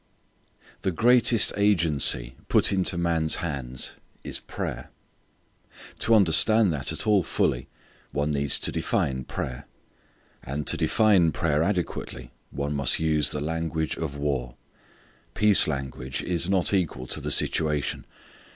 _ The greatest agency put into man's hands is prayer. To understand that at all fully one needs to define prayer. And to define prayer adequately one must use the language of war. Peace language is not equal to the situation.